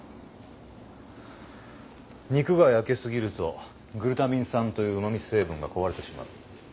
肉が焼けすぎるとグルタミン酸といううまみ成分が壊れてしまう。